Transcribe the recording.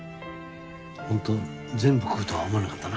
本当に全部食うとは思わなかったな。